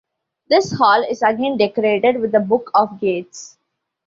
This hall is again decorated with the Book of Gates.